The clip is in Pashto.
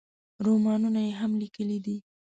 رومانونه یې هم لیکلي دي.